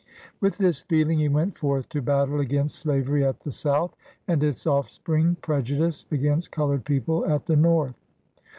With this feeling, he went forth to battle against slavery at the South, and its offspring, prejudice against colored people, at the North.